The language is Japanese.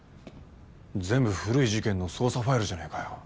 全部古い事件の捜査ファイルじゃねえかよ。